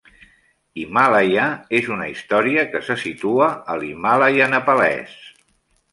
Himàlaia és una història que se situa a l'Himàlaia nepalès.